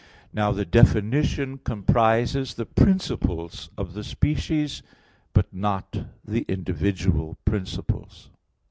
Now, the definition comprises the principles of the species, but not the individual principles.